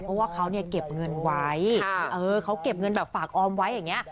เพราะว่าเขาเนี่ยเก็บเงินไว้เขาเก็บเงินแบบฝากออมไว้อย่างนี้